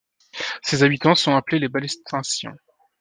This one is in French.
Ses habitants sont appelés les Balestasiens.